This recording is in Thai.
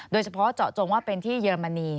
โดยเฉพาะเจาะจงว่าเป็นที่เยอรมนี